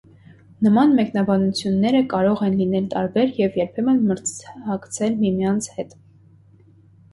Նման մեկնաբանությունները կարող են լինել տարբեր և երբեմն մրցակցել միմյանց հետ։